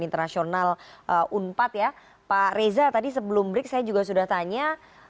terima kasih sudah tanya